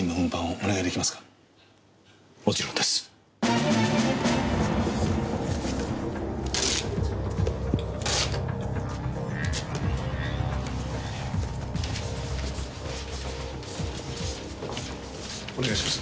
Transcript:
お願いします。